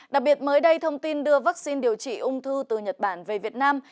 điện mới đây thông tin đưa vaccine điều trị ung thư từ nhật bản về việt nam